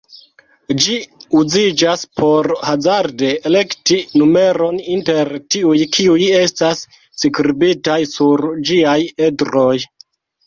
Ĝi uziĝas por hazarde elekti numeron inter tiuj kiuj estas skribitaj sur ĝiaj edroj.